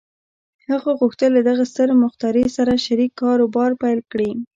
هغه غوښتل له دغه ستر مخترع سره شريک کاروبار پيل کړي.